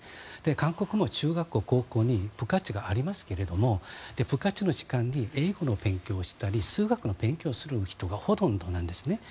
韓国も中学校、高校に部活がありますけども部活の時間に英語の勉強をしたり数学の勉強をする人がほとんどなんですね。